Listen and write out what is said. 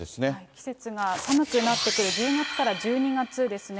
季節が寒くなってくる１０月から１２月ですね。